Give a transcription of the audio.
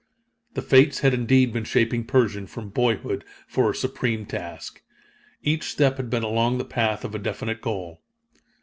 The Fates had indeed been shaping Pershing from boyhood for a supreme task. Each step had been along the path to a definite goal.